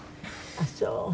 あっそう！